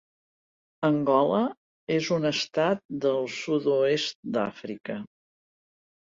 Angola és un estat del sud-oest d'Àfrica.